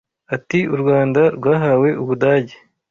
Ati “U Rwanda rwahawe u Budage